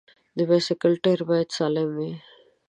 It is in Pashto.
د بایسکل ټایر باید سالم وي.